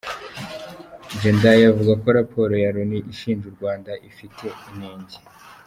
Jendayi avuga ko raporo ya Loni ishinja u Rwanda ifite inenge